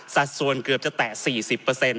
สัดส่วนเกือบจะแตะ๔๐